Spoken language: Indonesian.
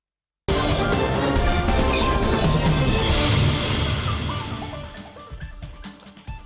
sampai jumpa di video selanjutnya